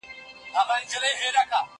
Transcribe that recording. زه سړو ته خواړه ورکړي دي؟!